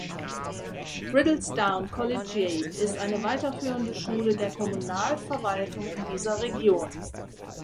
Riddlesdown Collegiate ist eine weiterführende Schule der Kommunalverwaltung in dieser Region.